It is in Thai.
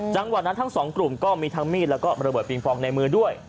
จังหวัดนั้นทั้งสองกลุ่มก็มีทั้งมีดแล้วก็ระเบิดปิงปองในมือด้วย